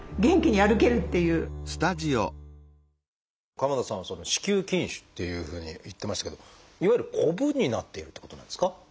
鎌田さんは「子宮筋腫」っていうふうに言ってましたけどいわゆるコブになっているってことなんですか？